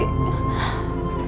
kok di rumah sepi bu